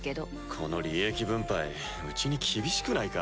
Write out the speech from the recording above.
この利益分配うちに厳しくないか？